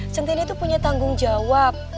sentini itu punya tanggung jawab